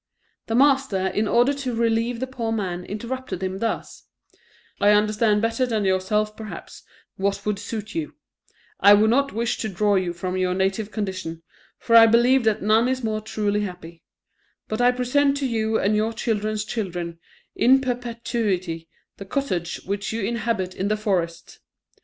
The master, in order to relieve the poor man, interrupted him thus: "I understand better than yourself, perhaps, what would suit you; I would not wish to draw you from your native condition, for I believe that none is more truly happy; but I present to you and your children's children, in perpetuity, the cottage which you inhabit in the forest.